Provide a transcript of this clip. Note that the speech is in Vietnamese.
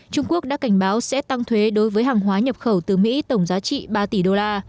trung quốc đã cảnh báo sẽ tăng thuế đối với hàng hóa nhập khẩu từ mỹ tổng giá trị ba tỷ đô la